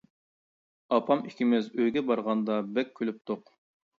ئاپام ئىككىمىز ئۆيگە بارغاندا بەك كۈلۈپتۇق.